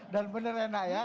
dan benar enak ya